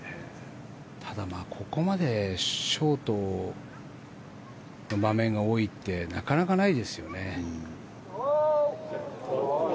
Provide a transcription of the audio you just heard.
ただ、ここまでショートの場面が多いってなかなかないですよね。